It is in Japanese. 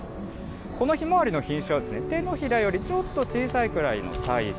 このヒマワリの品種は、手のひらよりちょっと小さいぐらいのサイズ。